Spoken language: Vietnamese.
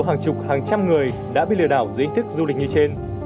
hàng chục hàng trăm người đã bị lừa đảo dưới hình thức du lịch như trên